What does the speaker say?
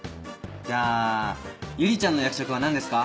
じゃあ友里ちゃんの役職は何ですか？